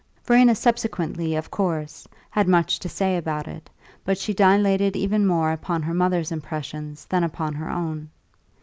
Verena subsequently, of course, had much to say about it, but she dilated even more upon her mother's impressions than upon her own.